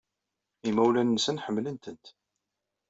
Imawlan-nsen ḥemmlen-tent.